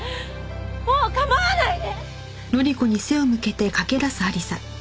もう構わないで！